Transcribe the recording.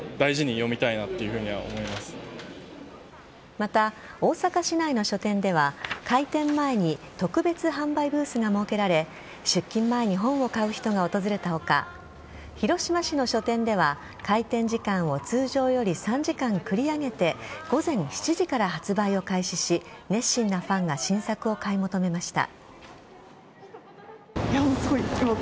また、大阪市内の書店では開店前に特別販売ブースが設けられ出勤前に本を買う人が訪れた他広島市の書店では開店時間を通常より３時間繰り上げて午前７時から発売を開始し熱心なファンが新作を買い求めました。